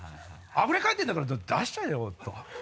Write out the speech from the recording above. あふれかえってるんだから出しちゃえよと。